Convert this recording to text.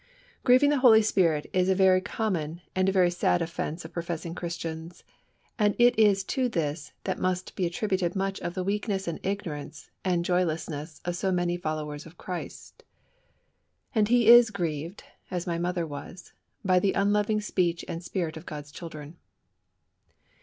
Grieving the Holy Spirit is a very common and a very sad offence of professing Christians, and it is to this that must be attributed much of the weakness and ignorance and joylessness of so many followers of Christ. And He is grieved, as was my mother, by the unloving speech and spirit of God's children.